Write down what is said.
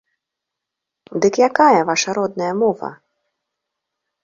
Дык якая ваша родная мова?